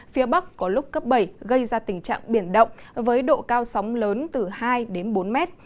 phía bắc có lúc cấp bảy gây ra tình trạng biển động với độ cao sóng lớn từ hai đến bốn mét